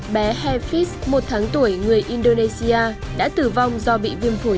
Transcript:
bé hefis một tháng tuổi người indonesia đã tử vong do bị viêm phổi